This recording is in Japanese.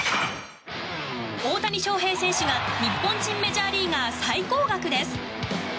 大谷翔平選手が日本人メジャーリーガー最高額です。